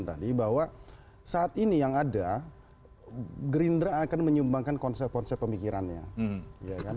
tadi bahwa saat ini yang ada gerindra akan menyumbangkan konsep konsep pemikirannya ya kan